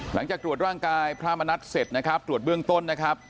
หลังจากตรวจร่างกายพระมณัฐเสร็จนะครับตรวจเบื้องต้นนะครับ